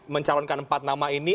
mencalonkan empat nama ini